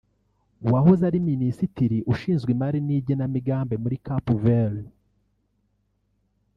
wahoze ari Minisitiri ushinzwe Imari n’Igenamigambi muri Cap Vert